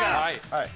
はい。